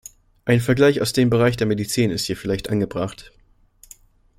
Ein Vergleich aus dem Bereich der Medizin ist hier vielleicht angebracht.